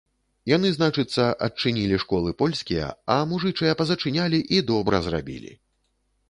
Яны, значыцца, адчынілі школы польскія, а мужычыя пазачынялі і добра зрабілі!